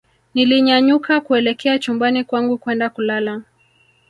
nilinyanyuka kuelekea chumbani kwangu kwenda kulala